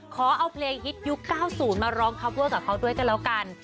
ขอเอาเพลงฮิตยุค๙๐มาร้องคัปเวอร์กับเขาด้วยกันแล้วกัน